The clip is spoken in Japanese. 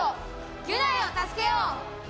ギュナイを助けよう！